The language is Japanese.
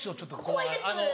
怖いです。